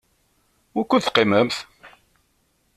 Wukud teqqimemt?